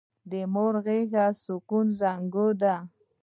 د مور غېږه د سکون زانګو ده!